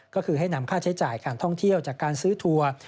ก็คือให้นำค่าใช้จ่ายการท่องเที่ยวจากการซื้อทัวร์